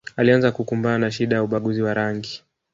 Alianza kukumbana na shida ya ubaguzi wa rangi